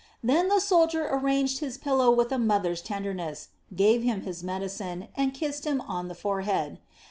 Then the soldier arranged his pillow with a mother's tenderness, gave him his medicine, and kissed him on the forehead.